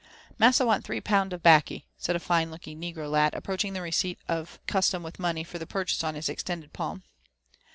" Massa want tree pound of baccy," said a fine^looking negro lad, approaching the receipt of custom with money for the purchase on his extended palm.